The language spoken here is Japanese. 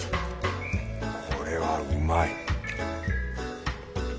これはうまい